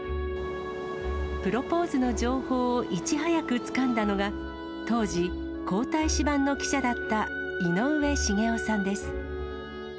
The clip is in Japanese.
プロポーズの情報をいち早くつかんだのが、当時、皇太子番の記者だった井上茂男さんです。